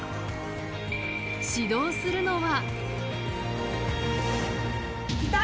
指導するのは。